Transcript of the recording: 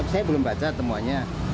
saya belum baca semuanya